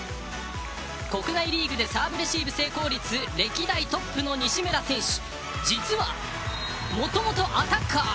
国内リーグでサーブレシーブ成功率歴代トップの西村選手、実はもともとアタッカー。